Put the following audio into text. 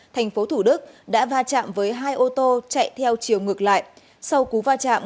tp thủ đức đã va chạm với hai ô tô chạy theo chiều ngược lại sau cú va chạm